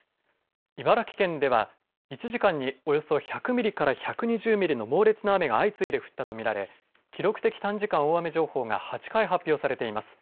茨城県では１時間におよそ１００ミリから１２０ミリの猛烈な雨が相次いで降ったと見られ記録的短時間大雨情報が８回発表されています。